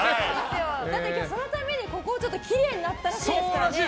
だって今日そのためにここきれいになったらしいですからね。